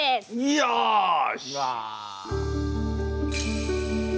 よし！